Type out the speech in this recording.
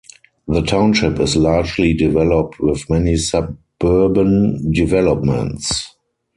The township is largely developed with many suburban developments.